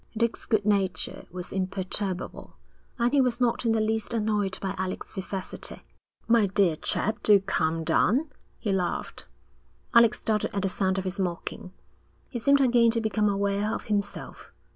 Dick's good nature was imperturbable, and he was not in the least annoyed by Alec's vivacity. 'My dear chap, do calm down,' he laughed. Alec started at the sound of his mocking. He seemed again to become aware of himself.